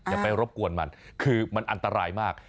อย่าไปรบกวนมันคือมันอันตรายมาก